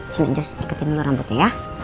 cuma njus iketin dulu rambutnya ya